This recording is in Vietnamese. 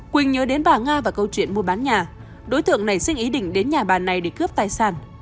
quỳnh nhớ đến bà nga và câu chuyện mua bán nhà đối tượng nảy sinh ý định đến nhà bà này để cướp tài sản